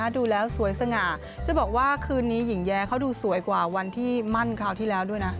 ดูแล้วสวยสง่าจะบอกว่าคืนนี้หญิงแย้เขาดูสวยกว่าวันที่มั่นคราวที่แล้วด้วยนะ